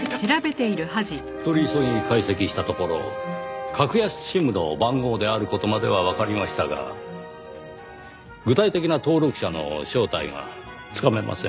取り急ぎ解析したところ格安ＳＩＭの番号である事まではわかりましたが具体的な登録者の正体がつかめません。